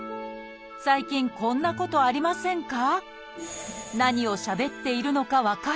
最近こんなことありませんか？